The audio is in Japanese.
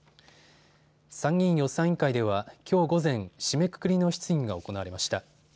参議院予算委員会ではきょう午前締めくくりの質疑が行われました。